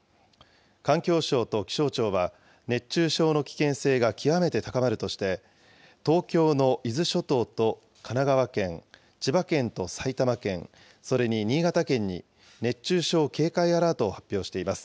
環境省と気象庁は、熱中症の危険性が極めて高まるとして、東京の伊豆諸島と神奈川県、千葉県と埼玉県、それに新潟県に熱中症警戒アラートを発表しています。